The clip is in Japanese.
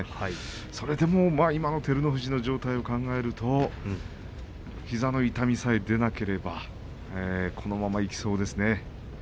それでも今の照ノ富士の状態を考えると膝の痛みさえ出なければこのままいきそうですね。